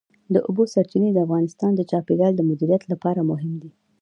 د اوبو سرچینې د افغانستان د چاپیریال د مدیریت لپاره مهم دي.